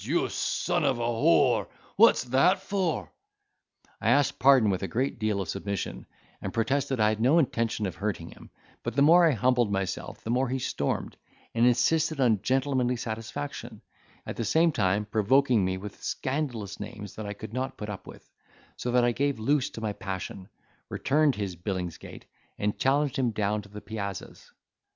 you son of a whore, what's that for?" I asked pardon with a great deal of submission, and protested I had no intention of hurting him; but the more I humbled myself the more he stormed, and insisted on gentlemanly satisfaction, at the same time provoking me with scandalous names that I could not put up with; so that I gave loose to my passion, returned his Billingsgate, and challenged him down to the piazzas.